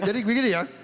jadi begini ya